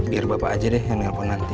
biar bapak aja deh yang nelpon nanti